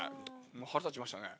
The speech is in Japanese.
腹立ちましたね。